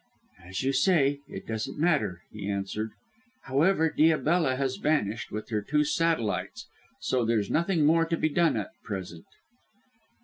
"As you say, it doesn't matter," he answered. "However, Diabella has vanished with her two satellites, so there's nothing more to be done at present."